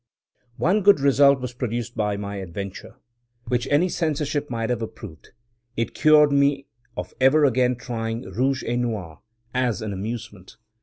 One good result was produced by my adventure, which any censorship must have approved: it cured me of ever again trying "Rouge et Noir" as an amusement.